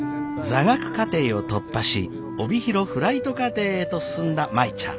座学課程を突破し帯広フライト課程へと進んだ舞ちゃん。